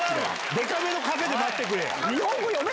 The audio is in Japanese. でかめのカフェで待ってくれや！